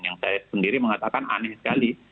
yang saya sendiri mengatakan aneh sekali